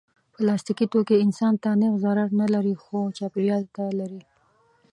پلاستيکي توکي انسان ته نېغ ضرر نه لري، خو چاپېریال ته لري.